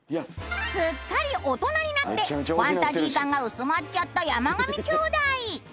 すっかり大人になってファンタジー感が薄まっちゃった山上兄弟。